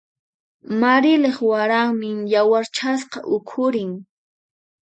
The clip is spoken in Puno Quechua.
Marilyq waranmi yawarchasqa ukhurin.